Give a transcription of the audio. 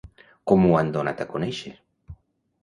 Com ho han donat a conèixer?